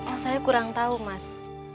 oh saya kurang tahu mas